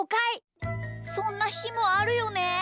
そんなひもあるよね。